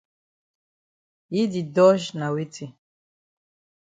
Yi di dodge na weti?